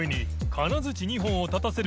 金づち２本を立たせる┐